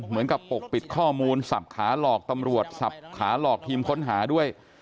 ปกปิดข้อมูลสับขาหลอกตำรวจสับขาหลอกทีมค้นหาด้วย